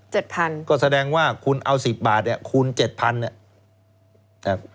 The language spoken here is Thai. เจ็ดพันก็แสดงว่าคุณเอาสิบบาทอ่ะคูณเจ็ดพันอ่ะอ่ะ